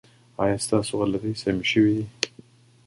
ایا ستاسو غلطۍ سمې شوې دي؟